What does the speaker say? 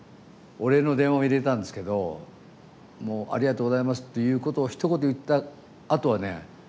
お礼の電話を入れたんですけど「ありがとうございます」っていうことをひと言言ったあとはね